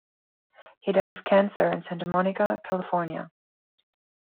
He died of cancer in Santa Monica, California.